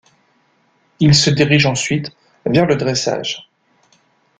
Il se dirige ensuite vers le dressage.